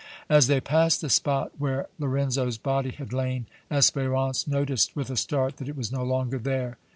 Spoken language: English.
As they passed the spot where Lorenzo's body had lain, Espérance noticed with a start that it was no longer there.